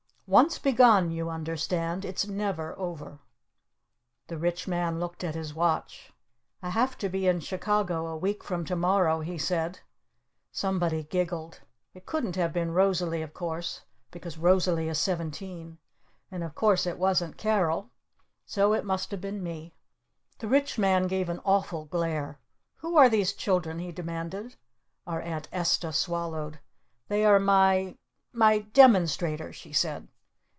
Once begun, you understand, it's never over!" The Rich Man looked at his watch. "I have to be in Chicago a week from tomorrow!" he said. Somebody giggled. It couldn't have been Rosalee, of course. Because Rosalee is seventeen. And, of course, it wasn't Carol. So it must have been me. The Rich Man gave an awful glare. "Who are these children?" he demanded. Our Aunt Esta swallowed. "They are my my Demonstrators," she said.